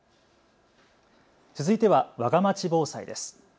続いてはわがまち防災です。